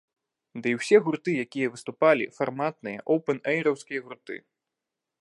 Ды і ўсе гурты, якія выступалі, фарматныя оўпэн-эйраўскія гурты.